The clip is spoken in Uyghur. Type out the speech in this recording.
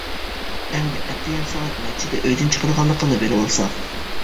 ئەمدى ئەتىگەن سائەت نەچچىدە ئۆيىدىن چىقىدىغانلىقىنى بىلىۋالسام!